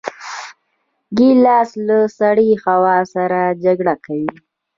ګیلاس له سړې هوا سره جګړه کوي.